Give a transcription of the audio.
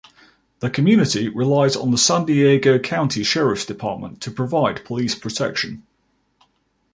The community relies on the San Diego County Sheriff's Department to provide police protection.